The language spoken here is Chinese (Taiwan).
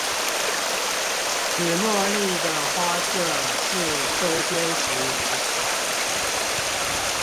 紫茉莉的花色是中間型遺傳